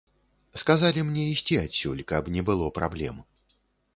Сказалі мне ісці адсюль, каб не было праблем.